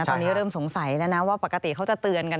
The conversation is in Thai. ตอนนี้เริ่มสงสัยแล้วนะว่าปกติเขาจะเตือนกัน